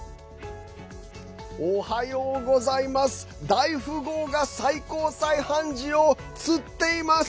大富豪が最高裁判事を釣っています。